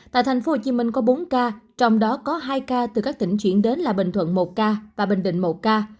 tại tp hcm có bốn ca trong đó có hai ca từ các tỉnh chuyển đến là bình thuận một ca và bình định một ca